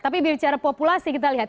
tapi bicara populasi kita lihat